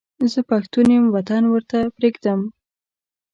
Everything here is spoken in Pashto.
زه پښتون یم وطن ورته پرېږدم.